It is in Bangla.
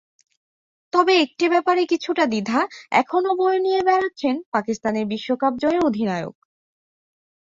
তবে একটি ব্যাপারে কিছুটা দ্বিধা এখনো বয়ে নিয়ে বেড়াচ্ছেন পাকিস্তানের বিশ্বকাপজয়ী অধিনায়ক।